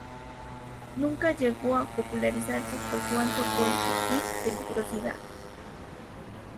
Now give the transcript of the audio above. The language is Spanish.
Nunca llegó a popularizarse por su alto coste y peligrosidad.